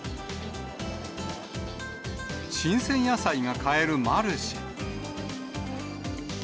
新鮮野菜が買えるマルシェ。